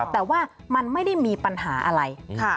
แต่ว่ามันไม่ได้มีปัญหาอะไร